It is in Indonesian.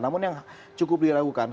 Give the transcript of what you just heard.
namun yang cukup dilakukan